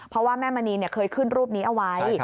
เพราะว่าแม่มณีเคยขึ้นรูปนี้เอาไว้